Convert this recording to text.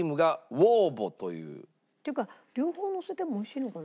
っていうか両方のせても美味しいのかな？